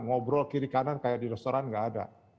ngobrol kiri kanan kayak di restoran nggak ada